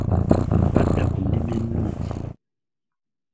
Badda ku nnima ennungi.